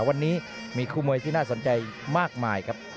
วันนี้มีคู่มวยที่น่าสนใจมากมายครับ